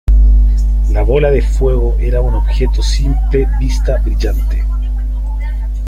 La bola de fuego era un objeto simple vista brillante.